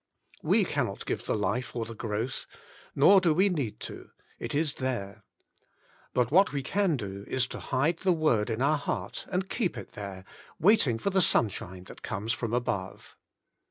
We cannot give the life or the growth. Nor do we need to : it is there. But what we can do is to hide the Word in our heart, and keep it there, waiting for the sunshine that comes from above.